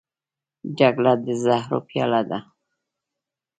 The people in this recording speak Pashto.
جګړه د زهرو پیاله ده